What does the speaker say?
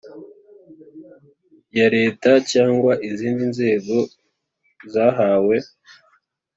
ya Leta cyangwa izindi nzego zahawe